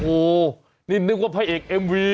โอ้โหนี่นึกว่าพระเอกเอ็มวี